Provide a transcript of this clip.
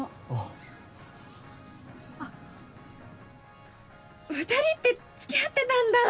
あっ二人って付き合ってたんだー